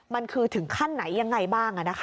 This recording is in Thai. มันคือถึงขั้นไหนยังไงบ้าง